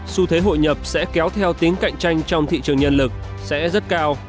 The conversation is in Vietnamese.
xu thế hội nhập sẽ kéo theo tính cạnh tranh trong thị trường nhân lực sẽ rất cao